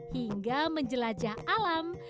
hingga menjelajah alam